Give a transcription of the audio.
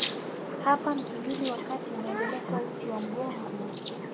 Hapa mhimili wa kati unaendelea kuwa uti wa mgongo.